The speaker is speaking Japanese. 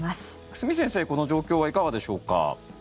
久住先生この状況はいかがでしょうか。